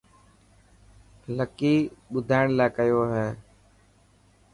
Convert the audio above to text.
لکي ٻڌائڻ لاءِ ڪيو هي.